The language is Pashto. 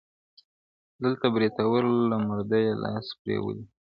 دلته برېتورو له مردیه لاس پرېولی دی-